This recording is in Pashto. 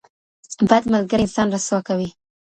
بد ملګری انسان رسوا کوي.